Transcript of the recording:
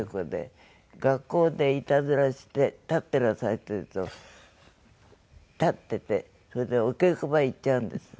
学校でいたずらして「立ってなさい」って言うと立っててそれでお稽古場へ行っちゃうんです。